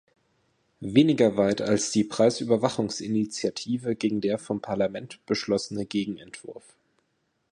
Weniger weit als die Preisüberwachungsinitiative ging der vom Parlament beschlossene Gegenentwurf.